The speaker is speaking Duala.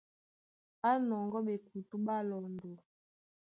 Á nɔŋgɔ́ ɓekutú ɓá lɔndɔ.